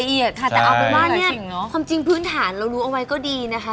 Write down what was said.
ค่ะแต่เอาเป็นว่าเนี่ยความจริงพื้นฐานเรารู้เอาไว้ก็ดีนะคะ